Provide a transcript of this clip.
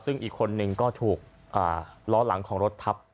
ซึ่งอีกคนนึงก็ถูกล้อหลังของรถทับ